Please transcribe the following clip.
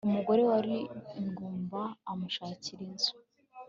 umugore wari ingumba amushakira inzu